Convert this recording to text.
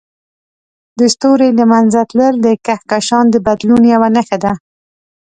د ستوري له منځه تلل د کهکشان د بدلون یوه نښه ده.